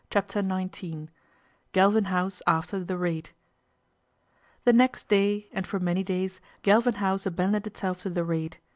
CHAPTER XIX GALVIN HOUSE AFTER THE RAID THE next day and for many days Galvin House abandoned itself to the raid.